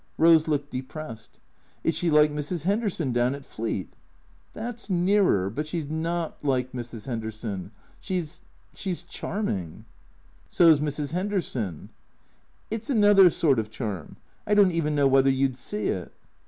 Eose looked depressed. " Is she like Mrs. 'Enderson down at Elect ?"" That 's nearer. But she 's not like Mrs. Henderson. She 's — she 's charming." " So 's Mrs. 'Enderson." " It 's another sort of charm, I don't even know whether you 'd see it."